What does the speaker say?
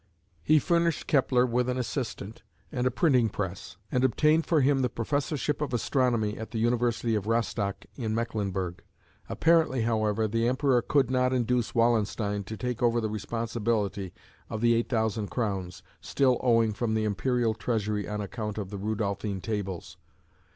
He furnished Kepler with an assistant and a printing press; and obtained for him the Professorship of Astronomy at the University of Rostock in Mecklenburg. Apparently, however, the Emperor could not induce Wallenstein to take over the responsibility of the 8000 crowns, still owing from the Imperial treasury on account of the Rudolphine Tables.